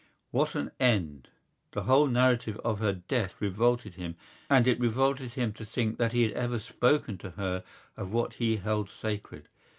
What an end! The whole narrative of her death revolted him and it revolted him to think that he had ever spoken to her of what he held sacred.